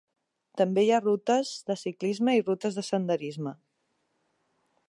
També hi ha rutes de ciclisme i rutes de senderisme.